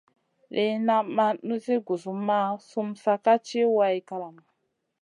Lìna ma na guzumah sumun ka ci way kalamu.